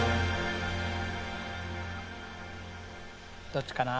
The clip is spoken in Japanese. どっちかな。